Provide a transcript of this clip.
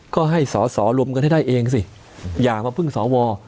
ก็ให้สอสอรวมกันให้ได้เองสิอย่ามาพึ่งสว